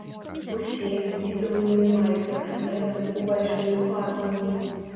Усе, і трунны майстар следам, увайшлі ў хату.